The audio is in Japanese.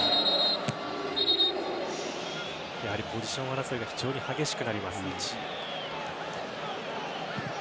ポジション争いが非常に激しくなります。